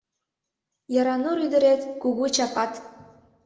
Яранур ӱдырет — кугу чапат.